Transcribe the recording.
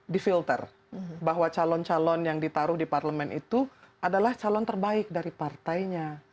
di filter bahwa calon calon yang ditaruh di parlemen itu adalah calon terbaik dari partainya